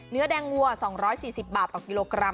เนื้อแดงวัว๒๔๐บาทต่อกิโลกรัม